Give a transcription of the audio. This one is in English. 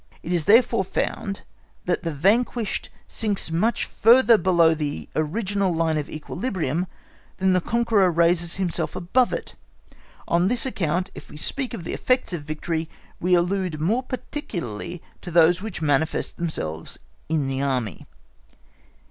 It is therefore found, that the vanquished sinks much further below the original line of equilibrium than the conqueror raises himself above it; on this account, if we speak of the effects of victory we allude more particularly to those which manifest themselves in the army.